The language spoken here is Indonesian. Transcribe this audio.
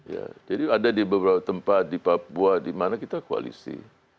jadi ada di beberapa tempat di papua di mana kita koalisi